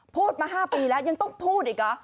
พูดมา๕ปีแล้วยังต้องพูดอีกเหรอ